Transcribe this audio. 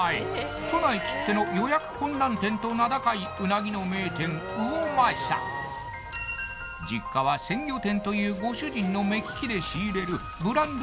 都内きっての予約困難店と名高いうなぎの名店魚政実家は鮮魚店というご主人の目利きで仕入れるブランド